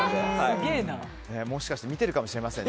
もしかして見てるかもしれませんね。